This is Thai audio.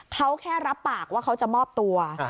เขาแค่รับปากว่าเขาจะมอบตัว